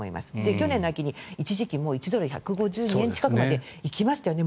去年秋に一時期１ドル＝１５２円近くまで行きましたよね。